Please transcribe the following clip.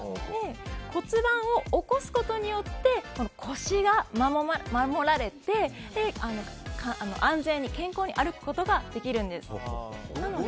骨盤を起こすことによって腰が守られて安全に健康に歩くことができるんです。